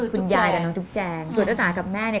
คุณยายกับน้องตุ๊กแจงส่วนเจ้าจ๋ากับแม่เนี่ย